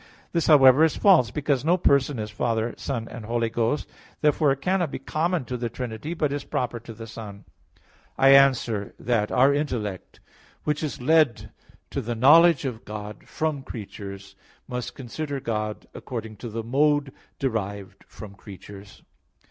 This, however, is false; because no person is Father, Son and Holy Ghost. Therefore it cannot be common to the Trinity, but is proper to the Son. I answer that, Our intellect, which is led to the knowledge of God from creatures, must consider God according to the mode derived from creatures.